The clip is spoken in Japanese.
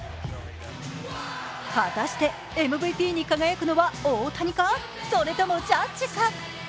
果たして、ＭＶＰに輝くのか大谷か、それともジャッジか？